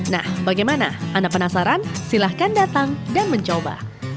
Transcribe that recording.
nah bagaimana anda penasaran silahkan datang dan mencoba